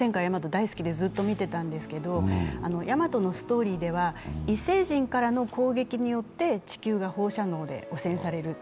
大好きで、ずっと見てたんですけど「ヤマト」のストーリーでは異星人からの攻撃によって地球が放射能で汚染される。